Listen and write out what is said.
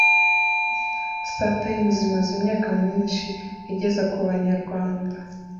startimes imaze imyaka myinshi igeza ku banyarwanda